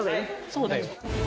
そうだよ。